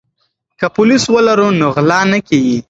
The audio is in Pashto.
که پولیس ولرو نو غلا نه کیږي.